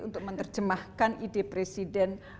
untuk menerjemahkan ide presiden